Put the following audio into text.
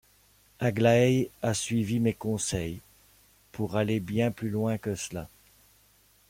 Aglaé a suivi mes conseils pour aller bien plus loin que cela.